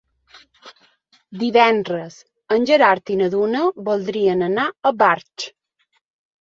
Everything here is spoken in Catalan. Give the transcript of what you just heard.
Divendres en Gerard i na Duna voldrien anar a Barx.